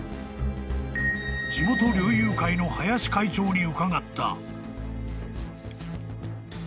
［地元猟友会の林会長に伺った］